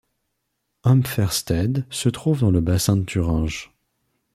Umpferstedt se trouve dans le Bassin de Thuringe.